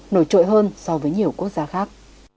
nổi trội hơn so với nhiều quốc gia khác